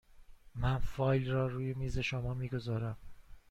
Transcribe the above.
من فایل را روی میز شما می گذارم.